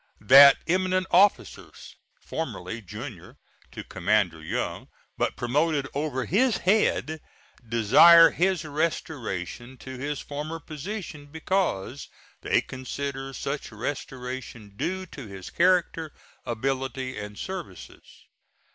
That eminent officers, formerly junior to Commander Young, but promoted over his head, desire his restoration to his former position, because they consider such restoration due to his character, ability, and services.